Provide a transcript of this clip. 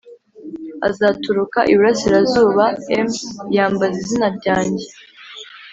Azaturuka iburasirazuba m yambaza izina ryanjye